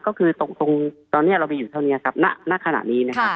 ก็คือตรงตอนนี้เราไปอยู่เท่านี้ครับณขณะนี้นะครับ